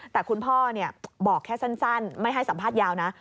แต่คุณพ่อบอกแค่สั้นไม่ให้สัมภาษณ์ยาวนะ